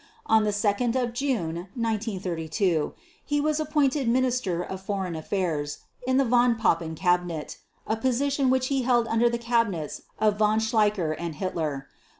On 2 June 1932 he was appointed Minister of Foreign Affairs in the Von Papen Cabinet, a position which he held under the Cabinets of Von Schleicher and Hitler.